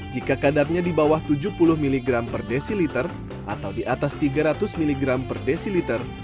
jika kadarnya di bawah tujuh puluh mg per desiliter atau di atas tiga ratus mg per desiliter